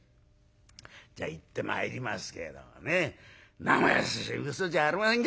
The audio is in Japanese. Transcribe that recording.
「じゃあ行ってまいりますけれどもねなまやさしい嘘じゃありませんから。